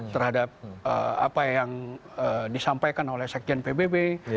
terhadap apa yang disampaikan oleh sekjen pbb